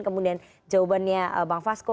kemudian jawabannya bang fasko